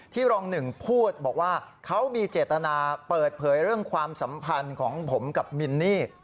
รองหนึ่งพูดบอกว่าเขามีเจตนาเปิดเผยเรื่องความสัมพันธ์ของผมกับมินนี่